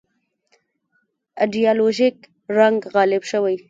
ایدیالوژیک رنګ غالب شوی.